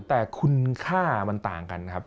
แต่คุณค่ามันต่างกันครับ